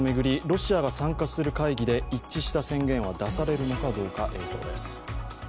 ロシアが参加する会議で一致した宣言は出されるのかどうか、映像です。